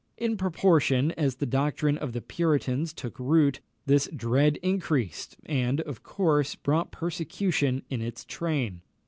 In proportion as the doctrine of the Puritans took root, this dread increased, and, of course, brought persecution in its train.